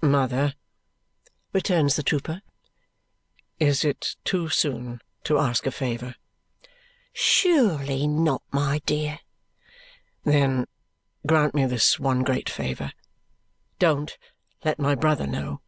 "Mother," returns the trooper, "is it too soon to ask a favour?" "Surely not, my dear." "Then grant me this one great favour. Don't let my brother know."